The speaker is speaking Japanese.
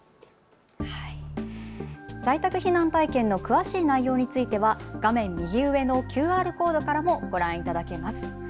在宅避難体験の詳しい内容については画面右上のＱＲコードからもご覧いただけます。